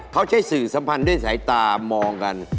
เขาใช้สื่อสัมพันธ์ด้วยสายตามองกัน